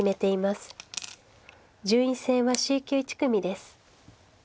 順位戦はＣ級１組です。